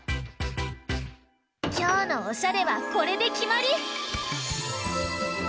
きょうのおしゃれはこれできまり！